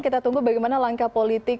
kita tunggu bagaimana langkah politik